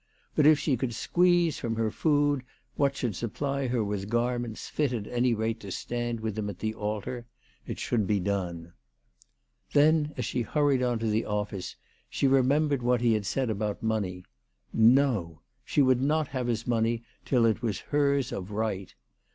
But if she could squeeze from her food what should supply her with garments fit at any rate to stand with him at the altar it should be done. Then, as she hurried on to the office, she remembered what he had said about money. No ! She would not have his money till it was hers of right.